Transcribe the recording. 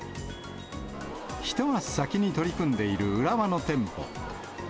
一足先に取り組んでいる浦和の店舗。